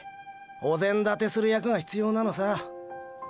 お膳立てする役が必要なのさ。は。